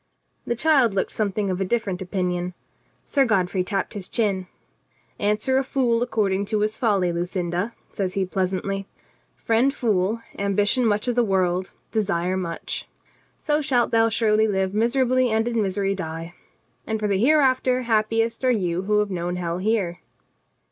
The child looked something of a different opinion. Sir Godfrey tapped his chin. "Answer a fool ac cording to his folly, Lucinda," says he pleasantly. "Friend fool, ambition much of the world, desire much. So shalt thou surely live miserably and in misery die. And for the hereafter, happiest are you who have known hell here."